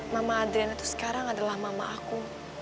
mama adrian itu sekarang adalah mama aku